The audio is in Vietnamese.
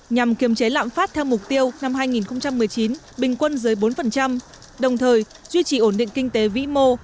nhằm kiềm chế lạm phát theo mục tiêu năm hai nghìn một mươi chín bình quân dưới bốn đồng thời duy trì ổn định kinh tế vĩ mô